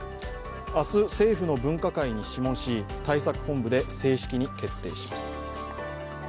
明日、政府の分科会に諮問し、対策本部で正式に決定します。